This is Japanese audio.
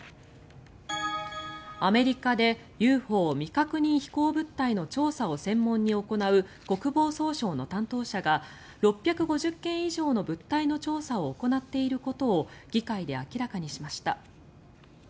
アメリカでＵＦＯ・未確認飛行物体の調査を専門に行う国防総省の担当者が６５０件以上の物体の調査を行っていることを議会で明らかにしました。